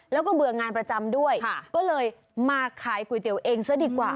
แล้วก็เบื่องานประจำด้วยก็เลยมาขายก๋วยเตี๋ยวเองซะดีกว่า